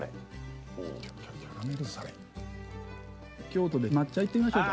京都で抹茶行ってみましょうか。